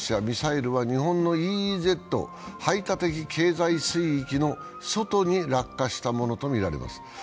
ミサイルは日本のＥＥＺ＝排他的経済水域の外に落下したものとみられます。